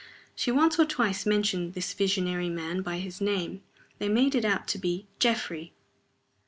She once or twice mentioned this visionary man by his name. They made it out to be "Geoffrey."